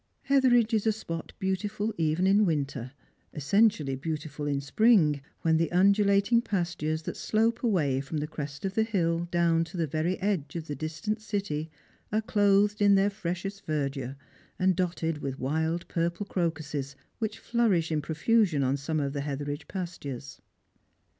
Hetheridge is a spot beautiful even in winter, essentially beautiful in spring, when the Tindulating pastures that slojje away from the crest of the hill down to the very edge of the distant city are clothed in their freshest verdure, and dotted with wild purple crocuses, which flourish in profusion on some of the Hetherido e pastures.